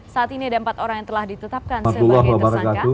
saat ini ada empat orang yang telah ditetapkan sebagai tersangka